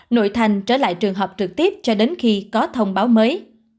nội thành trở lại trường học trực tiếp cho đến khi có thông báo mới